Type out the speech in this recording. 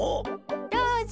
どうぞ。